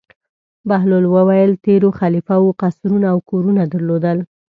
بهلول وویل: تېرو خلیفه وو قصرونه او کورونه درلودل.